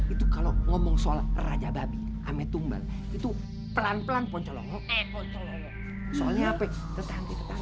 itu kalau ngomong soal raja babi ametumban itu pelan pelan poncolong soalnya petang petang